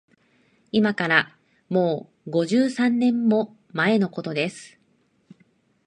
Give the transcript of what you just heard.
いまから、もう五十三年も前のことです